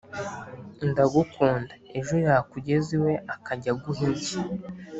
ndagukunda », ejo yakugeza iwe akajya aguha inshyi